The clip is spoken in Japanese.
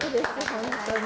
本当に。